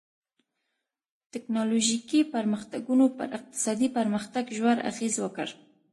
ټکنالوژیکي پرمختګونو پر اقتصادي پرمختګ ژور اغېز وکړ.